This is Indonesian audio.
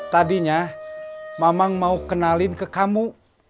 tadinya mamang mau kenalin ke kamu